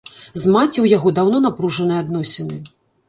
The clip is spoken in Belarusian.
З маці ў яго даўно напружаныя адносіны.